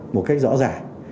một cách rõ ràng